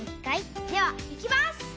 ではいきます！